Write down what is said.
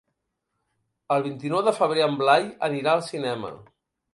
El vint-i-nou de febrer en Blai anirà al cinema.